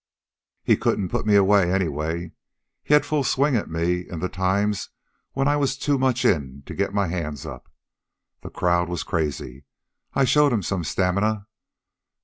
"He couldn't put me out, anyway. He had full swing at me in the times when I was too much in to get my hands up. The crowd was crazy. I showed 'em some stamina.